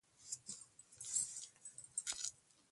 دی تر هغه تور ملا بیا هم ښه دی.